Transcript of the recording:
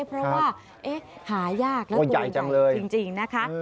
เพราะว่าหายากแล้วตัวใหญ่จริงนะคะ